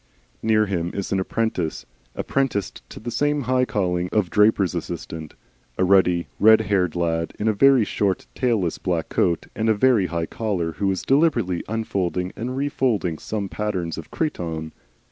Near him is an apprentice, apprenticed to the same high calling of draper's assistant, a ruddy, red haired lad in a very short tailless black coat and a very high collar, who is deliberately unfolding and refolding some patterns of cretonne.